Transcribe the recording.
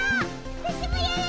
わたしもやる！